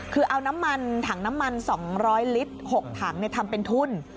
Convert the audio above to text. คือเอาน้ำมันถังน้ำมัน๒๐๐ลิตร๖ถังทำเป็นทุ่น